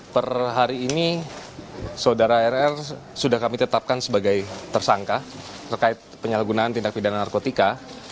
per hari ini saudara rr sudah kami tetapkan sebagai tersangka terkait penyalahgunaan tindak pidana narkotika